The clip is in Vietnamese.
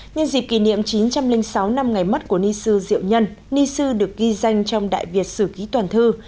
nhân dịp kỷ niệm chín trăm linh sáu năm ngày mất của ni sư diệu nhân ni sư được ghi danh trong đại việt sử ký toàn thư